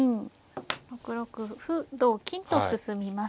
６六歩同金と進みます。